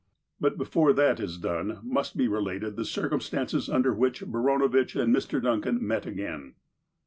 But before that is done must be related the circum stances under which Baranovitch and Mr. Duncan met again.